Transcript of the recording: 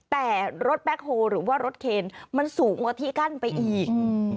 แต่รถแบ็คโฮหรือว่ารถเคนมันสูงกว่าที่กั้นไปอีก